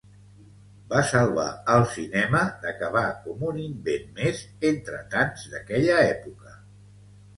Va salvar el cinema d'acabar com un invent més entre tants d'aquella època.